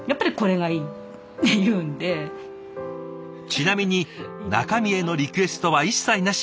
ちなみに中身へのリクエストは一切なし。